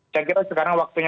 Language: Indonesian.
saya kira sekarang waktunya